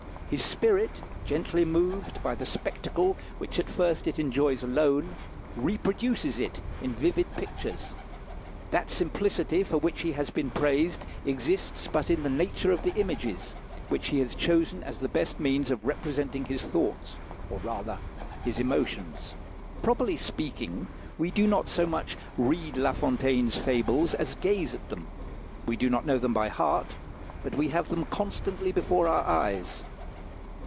His spirit, gently moved by the spectacle which at first it enjoys alone, reproduces it in vivid pictures. That simplicity for which he has been praised exists but in the nature of the images which he has chosen as the best means of representing his thoughts, or, rather, his emotions. Properly speaking, we do not so much read La Fontaine's fables as gaze at them; we do not know them by heart, but we have them constantly before our eyes.